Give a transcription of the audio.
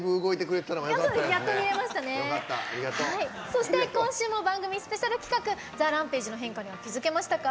そして今週も番組スペシャル企画ＴＨＥＲＡＭＰＡＧＥの変化には気付けましたか？